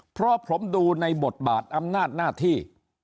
เพราะผมดูในบทบาทอำนาจหน้าที่